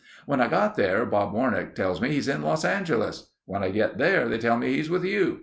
When I got there Bob Warnack tells me he's in Los Angeles. When I get there they tell me he's with you.